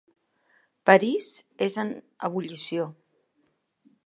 París és en ebullició.